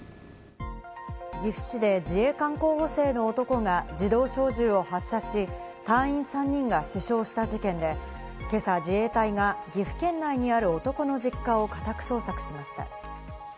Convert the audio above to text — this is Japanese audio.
岐阜市で自衛官候補生の男が自動小銃を発射し、隊員３人が死傷した事件で、今朝、自衛隊が岐阜県内にある男の実家を家宅捜索しました。